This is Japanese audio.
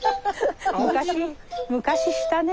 昔したね。